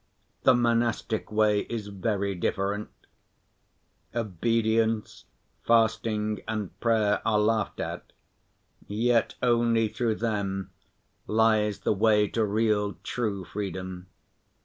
The monastic way is very different. Obedience, fasting and prayer are laughed at, yet only through them lies the way to real, true freedom.